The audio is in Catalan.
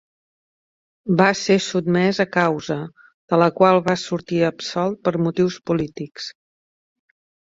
Va ser sotmès a causa, de la qual va sortir absolt per motius polítics.